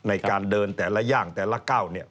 ในการเดินแต่ละย่างแต่ละก้าวเนี่ย